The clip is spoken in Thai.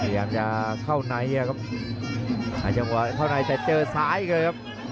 พยายามจะเข้าไหนครับหาจังหวะเท่าไหนแต่เจอซ้ายนะครับ